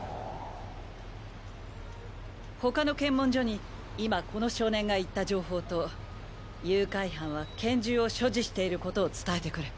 他の検問所に今この少年が言った情報と誘拐犯は拳銃を所持している事を伝えてくれ。